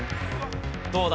どうだ？